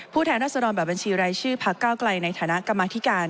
ผู้แททะดรบบัญชีไรชื่อพักเก่าไกลในฐนักกรรมอธิการ